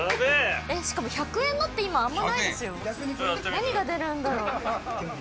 何が出るんだろう。